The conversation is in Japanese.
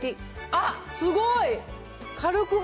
あっ、すごい。